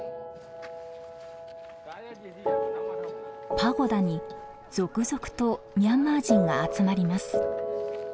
パゴダに続々とミャンマー人が集まります。